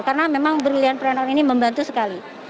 karena memang brilliantpreneur ini membantu sekali